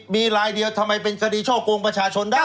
มีลายเดียวทำไมเป็นคดีช่อกงประชาชนได้